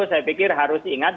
saya pikir harus diingat